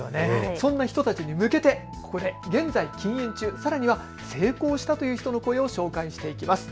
そんな人たちに向けてここで現在、禁煙中、さらには成功したという人の声を紹介していきます。